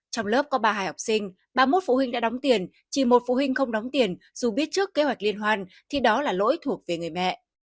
trong lớp có ba mươi hai học sinh ba mươi một phụ huynh đã đóng tiền chỉ một phụ huynh không đóng tiền dù biết trước kế hoạch liên hoan thì đó là lỗi thuộc về người mẹ